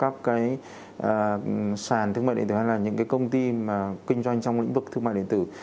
các cái sàn thương mại điện tử hay là những cái công ty mà kinh doanh trong lĩnh vực thương mại điện tử